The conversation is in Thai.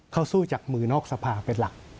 เขาสู้จากมือนอกสภาเป็นหลัก